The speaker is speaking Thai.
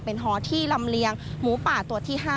เป็นหอที่ลำเลียงหมูป่าตัวที่๕